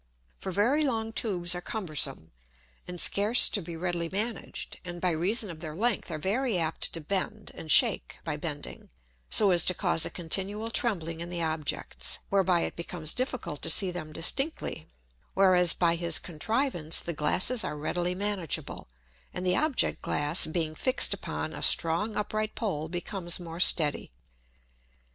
For very long Tubes are cumbersome, and scarce to be readily managed, and by reason of their length are very apt to bend, and shake by bending, so as to cause a continual trembling in the Objects, whereby it becomes difficult to see them distinctly: whereas by his Contrivance the Glasses are readily manageable, and the Object glass being fix'd upon a strong upright Pole becomes more steady.